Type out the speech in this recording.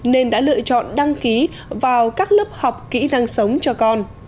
nên đã lựa chọn đăng ký vào các lớp học kỹ năng sống cho con